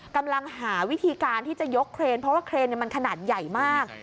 กำลังหาวิธีการที่จะยกเครนเพราะว่าเครนมันขนาดใหญ่มาก